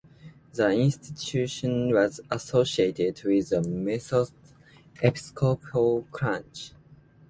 The institution was associated with the Methodist Episcopal Church.